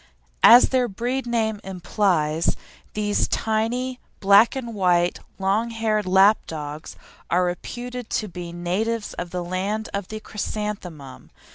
As their breed name implies, these tiny black and white, long haired lap dogs are reputed to be natives of the land of the chrysanthemum.